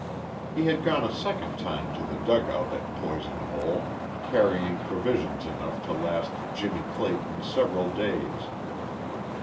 He had gone a second time to the dugout at Poison Hole, carrying provisions enough to last Jimmie Clayton several days.